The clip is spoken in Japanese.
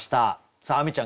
さあ亜美ちゃん